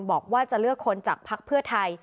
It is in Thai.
บอกว่าจะเลือกคนจากภักดิ์เพื่อไทย